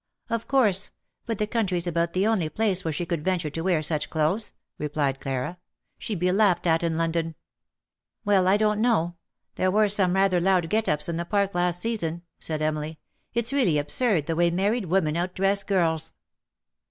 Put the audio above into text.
" Of course. But the country's about the only place where she could venture to wear such clothes," replied Clara :^' she'd be laughed at in London." ^' Well, I don't know : there were some rather 205 loud get ups in the Park last season/^ said Emily. *' It^s really absurd the way married women out dress girls.